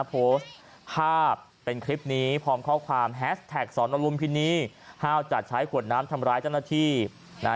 โพสต์ภาพเป็นคลิปนี้พร้อมข้อความแฮสแท็กสอนอลุมพินีห้าวจัดใช้ขวดน้ำทำร้ายเจ้าหน้าที่นะฮะ